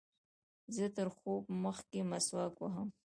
زه تر خوب مخکښي مسواک وهم.